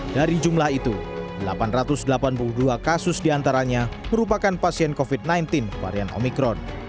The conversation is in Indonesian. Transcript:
dari jumlah itu delapan ratus delapan puluh dua kasus diantaranya merupakan pasien covid sembilan belas varian omikron